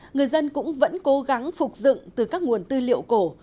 người dân cũng vẫn cố gắng phục dựng từ các nguồn tư liệu cổ